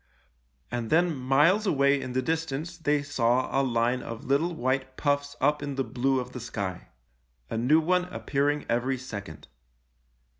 And then miles away in the distance they saw a line of little white puffs up in the blue of the sky — a new one appearing every second.